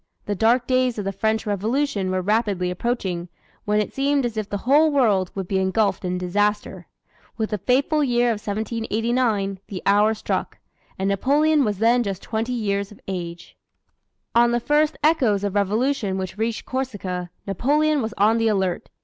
The dark days of the French Revolution were rapidly approaching, when it seemed as if the whole world would be engulfed in disaster. With the fateful year of 1789, the hour struck and Napoleon was then just twenty years of age. On the first echoes of Revolution which reached Corsica, Napoleon was on the alert.